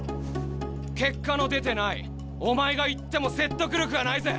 結果の出てないお前が言っても説得力がないぜ！